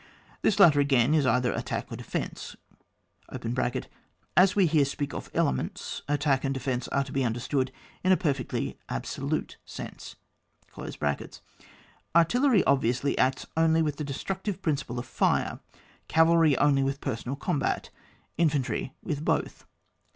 This latter, again, is either attack or defence. (As we here speak of elements, attack and defence are to be understood in a perfectly abso lute sense.) Artillery, obviously, acts only with the destructive principle of fire. Cavalry only with personal combat. Infantry with both.